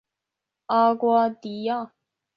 阿瓜迪亚。